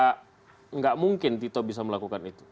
tidak mungkin tito bisa melakukan itu